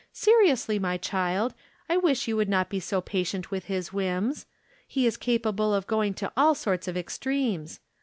Seriously, my child, I wish you would not be so patient with his whims ; he is capable of going to all sorts of extremes.